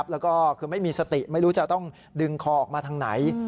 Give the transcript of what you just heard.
แล้วก็คือไม่มีสติไม่รู้จะต้องดึงคอออกมาทางไหน